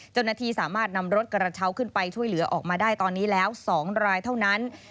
เจ้าหน้าที่สามารถนำรถกระเช้าขึ้นไปช่วยเหลือออกมาได้ตอนนี้แล้ว๒รายเท่านั้น